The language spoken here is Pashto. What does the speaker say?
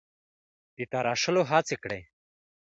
د تراشلو هڅه کړې: